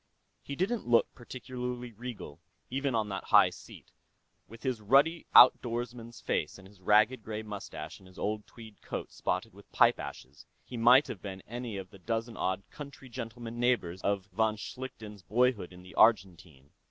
He didn't look particularly regal, even on that high seat with his ruddy outdoorsman's face and his ragged gray mustache and his old tweed coat spotted with pipe ashes, he might have been any of the dozen odd country gentleman neighbors of von Schlichten's boyhood in the Argentine.